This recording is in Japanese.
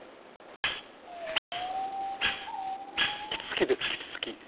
キツツキですキツツキ。